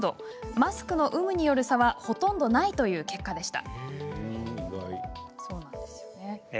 マスクの有無による差はほとんどないという結果でした。